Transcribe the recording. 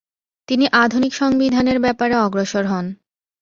তিনি আধুনিক সংবিধানের ব্যাপারে অগ্রসর হন।